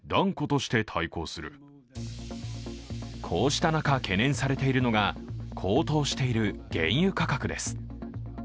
こうした中、懸念されているのが高騰している原油価格です。